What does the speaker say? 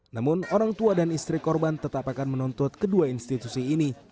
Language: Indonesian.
namun orang tua dan istri korban tetap akan menuntut kedua institusi ini